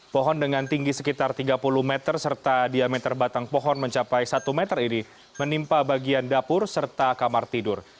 pohon dengan tinggi sekitar tiga puluh meter serta diameter batang pohon mencapai satu meter ini menimpa bagian dapur serta kamar tidur